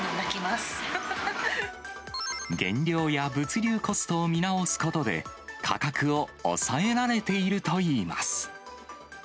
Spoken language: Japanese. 原料や物流コストを見直すことで、価格を抑えられているといいます。